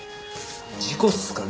事故っすかね。